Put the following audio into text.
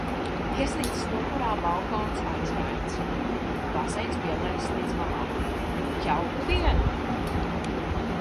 Viesnīcas numurā balkons aizvērts. Baseins pielaists līdz malām. Jauku dienu!